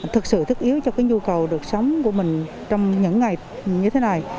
thực sự thích yếu cho cái nhu cầu được sống của mình trong những ngày như thế này